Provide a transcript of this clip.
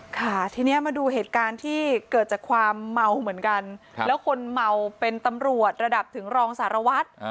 ค่ะทีนี้มาดูเหตุการณ์ที่เกิดจากความเมาเหมือนกันแล้วคนเมาเป็นตำรวจระดับถึงรองสารวัตร